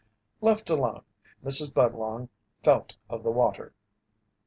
Left alone, Mrs. Budlong felt of the water.